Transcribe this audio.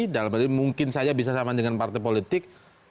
dalam arti mungkin saja bisa sama dengan partai politik